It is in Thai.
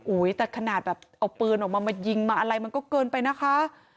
แต่ขนาดแบบเอาปืนออกมามายิงมาอะไรมันก็เกินไปนะคะ